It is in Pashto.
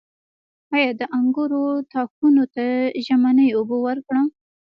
آیا د انګورو تاکونو ته ژمنۍ اوبه ورکړم؟